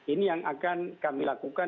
ini yang akan kami lakukan